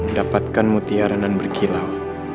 mendapatkan mu tiaranan berkilau